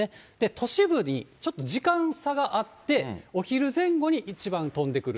都市部にちょっと時間差があって、お昼前後に一番飛んでくる。